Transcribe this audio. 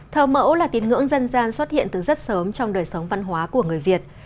thờ mẫu là tín ngưỡng dân gian xuất hiện từ rất sớm trong đời sống văn hóa của người việt